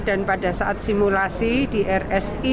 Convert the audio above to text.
dan pada saat simulasi di rsi